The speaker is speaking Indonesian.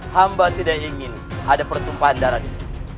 hamba tidak ingin ada pertumpahan darah disini